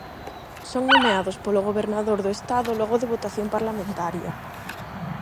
Son nomeados polo gobernador do Estado logo de votación parlamentaria.